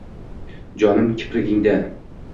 Jonim kiprigingda